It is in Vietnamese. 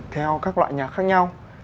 theo các loại nhạc khác nhau